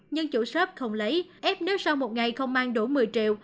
nhưng chủ shop không lấy ép nước sau một ngày không mang đủ một mươi triệu